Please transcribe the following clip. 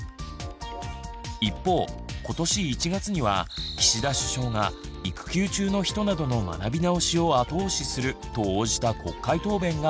一方今年１月には岸田首相が「育休中の人などの学び直しを後押しする」と応じた国会答弁が炎上。